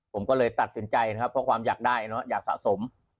ผมก็เลยตัดสินใจเพราะความอยากได้อยากสะสม